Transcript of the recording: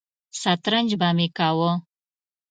سترنج به مې کاوه.